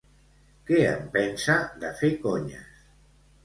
Què en pensa de fer conyes?